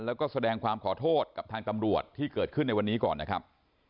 แล้วก็แสดงความขอโทษกับทางตำรวจที่เกิดขึ้นในวันนี้ก่อนนะครับ